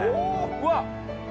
うわっ。